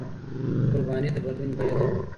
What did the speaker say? قرباني د بدلون بيه ده.